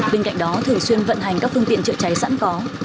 bên cạnh đó thường xuyên vận hành các phương tiện chữa cháy sẵn có